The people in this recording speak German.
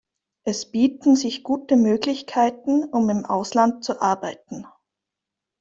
Es bieten sich gute Möglichkeiten, um im Ausland zu arbeiten.